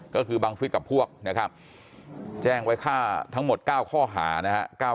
ก็คือบังฟิศกับพวกนะครับแจ้งไว้ฆ่าทั้งหมด๙ข้อหานะครับ